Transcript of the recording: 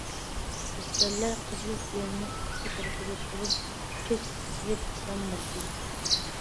ئەسكەرلەر قىزىل گىلەمنىڭ ئىككى تەرىپىدە تۇرۇپ كۆز سېلىپ سالام بەردى.